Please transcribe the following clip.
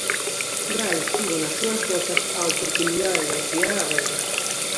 Brais tivo nas súas botas a oportunidade de ampliar a renda.